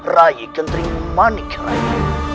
raih gentering manik raih